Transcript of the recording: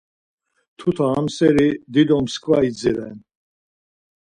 Tuta amseri dido mskva idziren.